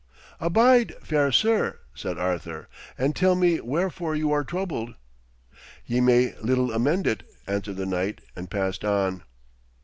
'Abide, fair sir,' said Arthur, 'and tell me wherefore you are troubled.' 'Ye may little amend it,' answered the knight, and passed on.